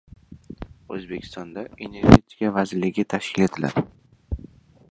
O‘zbekistonda energetika vazirligi tashkil etiladi